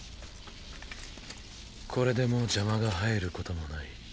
これでもう邪魔が入ることもない。